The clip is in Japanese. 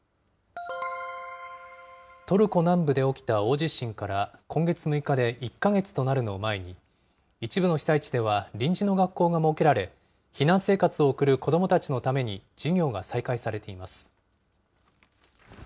トルコ南部で起きた大地震から今月６日で１か月となるのを前に、一部の被災地では、臨時の学校が設けられ、避難生活を送る子どもたちのために授業が再開されています。